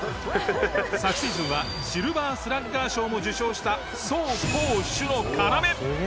昨シーズンはシルバースラッガー賞も受賞した走攻守の要！